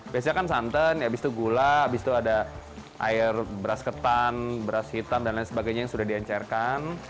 biasanya kan santan habis itu gula abis itu ada air beras ketan beras hitam dan lain sebagainya yang sudah diencerkan